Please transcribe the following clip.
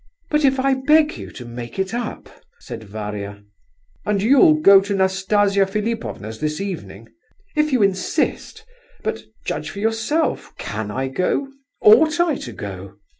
"But if I beg you to make it up?" said Varia. "And you'll go to Nastasia Philipovna's this evening—" "If you insist: but, judge for yourself, can I go, ought I to go?"